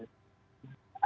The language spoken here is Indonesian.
belah dunia yang lain